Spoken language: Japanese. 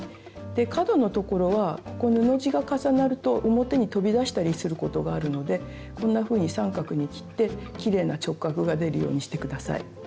で角のところはここ布地が重なると表に飛び出したりすることがあるのでこんなふうに三角に切ってきれいな直角が出るようにして下さい。